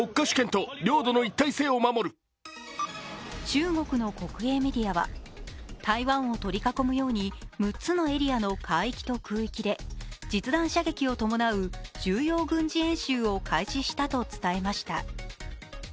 中国の国営メディアは台湾を取り囲むように６つのエリアの海域と空域で実弾射撃を伴う重要軍事演習を開始したと伝えました。